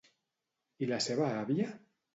I la seva àvia?